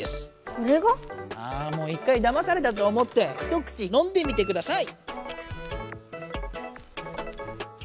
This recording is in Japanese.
これが？ああもう一回だまされたと思って一口のんでみてください。